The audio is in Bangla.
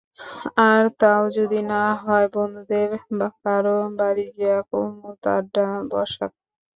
আর তাও যদি না হয় বন্ধুদের কারো বাড়ি গিয়া কুমুদ আড্ডা বসাক।